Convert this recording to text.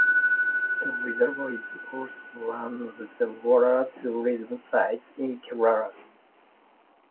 The reservoir is also one of the water tourism sites in Kerala.